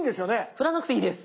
振らなくていいです。